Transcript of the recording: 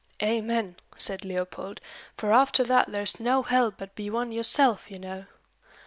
"Amen!" said Leopold: "for after that there's no help but be one yourself, you know."